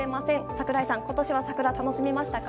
櫻井さん、今年は桜楽しめましたか？